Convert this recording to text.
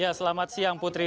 ya selamat siang putri